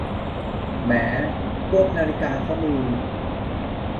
แหม พวกนาฬิกาข้อมือ